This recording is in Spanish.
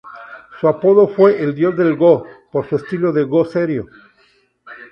Su apodo fue "El dios del go" por su estilo de go serio.